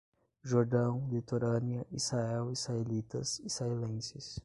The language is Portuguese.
Jordão, litorânea, Israel, israelitas, israelenses